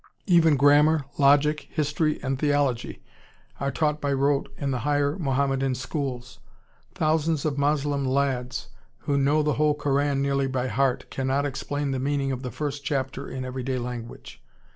Even grammar, logic, history, and theology are taught by rote in the higher Mohammedan schools.... Thousands of Moslem lads, who know the whole Koran nearly by heart, cannot explain the meaning of the first chapter in every day language.